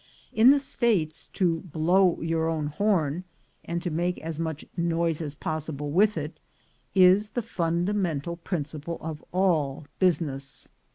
In the States, to blow your own horn, and to make as much noise as possible with it, is the fundamental principle of all business.